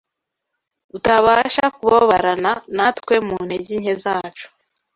utabasha kubabarana natwe mu ntege nke zacu